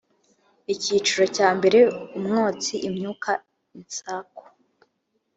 icyiciro cyambere umwotsi imyuka insaku